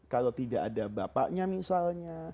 kalau tidak ada bapaknya misalnya